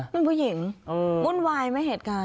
เป็นผู้หญิงวุ่นวายไหมเหตุการณ์